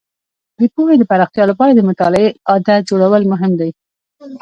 د پوهې د پراختیا لپاره د مطالعې عادت جوړول مهم دي.